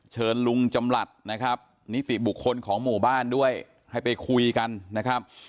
เชิญลุงจำหลัดนะครับนิติบุคคลของหมู่บ้านด้วยให้ไปคุยกันนะครับ